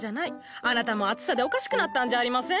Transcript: あなたも暑さでおかしくなったんじゃありません？